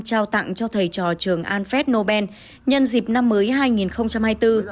trao tặng cho thầy trò trường alfred nobel nhân dịp năm mới hai nghìn hai mươi bốn